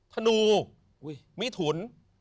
ธนูมิถุน